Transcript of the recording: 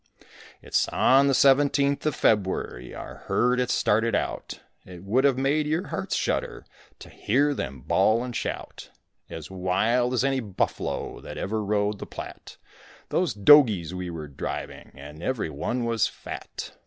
It's on the seventeenth of February, our herd it started out, It would have made your hearts shudder to hear them bawl and shout, As wild as any buffalo that ever rode the Platte, Those dogies we were driving, and every one was fat.